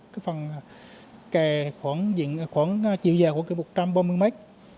cái phần kè khoảng chiều dài khoảng một trăm ba mươi mét